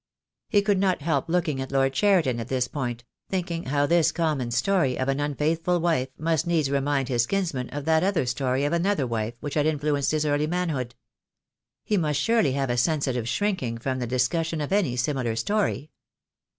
He could not help looking at Lord Cheriton at this point, thinking how this common story of an unfaithful wife must needs remind his kinsman of that other story of another wife which had influenced his early manhood. He must surely have a sensitive shrinking from the dis cussion of any similar story.